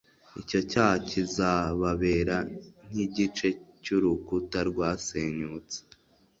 icyo cyaha kizababera nk igice cy urukuta rwasenyutse